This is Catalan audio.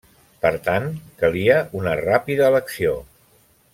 Per tant, calia una ràpida elecció.